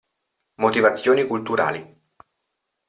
Motivazioni culturali.